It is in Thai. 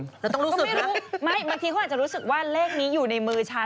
เราต้องรู้สึกนะไม่บางทีเขาอาจจะรู้สึกว่าเลขนี้อยู่ในมือฉัน